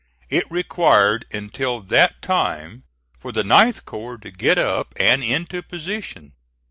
It required until that time for the 9th corps to get up and into position.